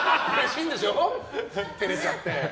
照れちゃって。